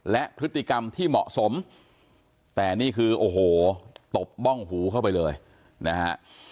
และพฤติกรรมที่เหมาะสมแต่นี่คือโอ้โหตบบ้องหูเข้าไปเลยนะฮะ